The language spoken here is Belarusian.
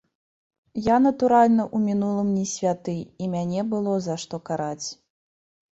Я, натуральна, у мінулым не святы, і мяне было за што караць.